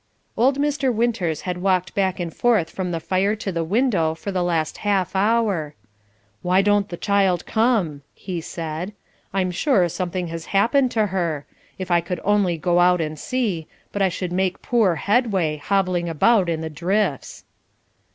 Old Mr. Winters had walked back and forth from the fire to the window for the last half hour. "Why don't the child come," he said. "I'm sure something has happened to her. If I could only go out and see, but I should make poor headway, hobbling about in the drifts."